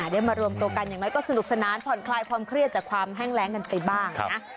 ได้มารวมตัวกันอย่างน้อยก็สนุกสนานผ่อนคลายความเครียดจากความแห้งแรงกันไปบ้างนะ